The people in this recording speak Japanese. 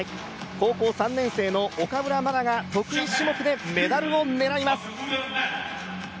高校３年生の岡村真が得意種目でメダルをねらいます。